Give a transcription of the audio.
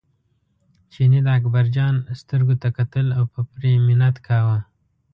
چیني د اکبرجان سترګو ته کتل او په پرې منت کاوه.